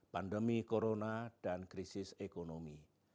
pandemi corona dan krisis ekonomi